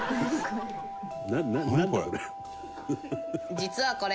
実はこれ。